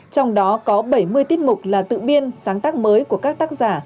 trong đó có bảy mươi tiết mục là tự biên sáng tác mới của các tác giả